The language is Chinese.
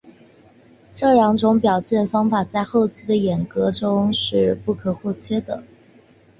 这两种表现的方法在后期的演歌中是不可或缺的。